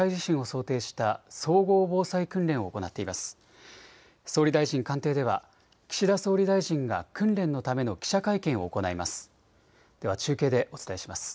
総理大臣官邸では岸田総理大臣が訓練のための記者会見を行います。